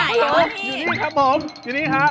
อยู่นี่ครับผมอยู่นี่ค่ะ